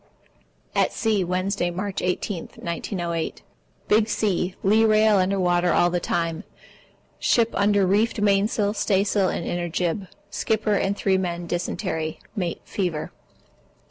At sea, Wednesday, March 18, 1908. Big sea. Lee rail under water all the time. Ship under reefed mainsail, staysail, and inner jib. Skipper and 3 men dysentery. Mate fever.